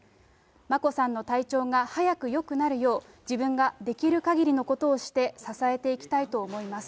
眞子さんの体調が早くよくなるよう、自分ができるかぎりのことをして、支えていきたいと思います。